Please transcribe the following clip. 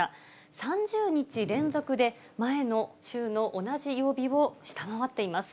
３０日連続で前の週の同じ曜日を下回っています。